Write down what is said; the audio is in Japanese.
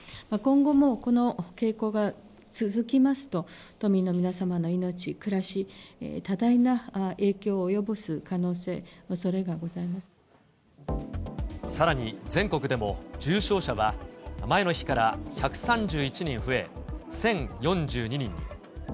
今後もこの傾向が続きますと、都民の皆様の命、暮らし、多大な影響を及ぼす可能性、おそれがごさらに、全国でも重症者は前の日から１３１人増え、１０４２人に。